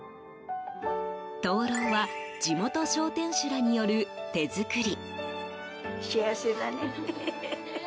灯篭は、地元商店主らによる手作り。